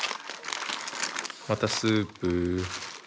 またスープ。